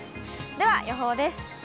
では、予報です。